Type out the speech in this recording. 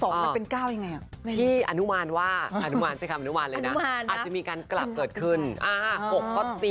ไถ่รูปเองไถ่รูปเองมาหกคำการแปลงร่างเหรอครับเรามี